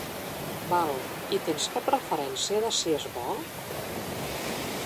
Val, i tens cap referència de si és bo?